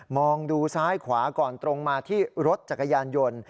องดูซ้ายขวาก่อนตรงมาที่รถจักรยานยนต์